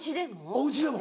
おうちでも。